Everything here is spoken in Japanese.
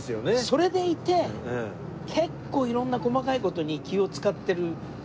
それでいて結構色んな細かい事に気を使ってる。